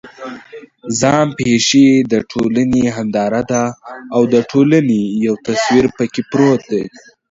ځان پېښې د ټولنې هنداره ده او د ټولنې یو تصویر پکې پروت دی.